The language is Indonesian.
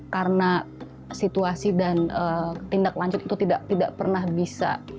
karena situasi dan tindak lanjut itu tidak pernah bisa